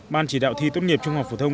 ban chỉ đạo thi tốt nghiệp trung học phổ thông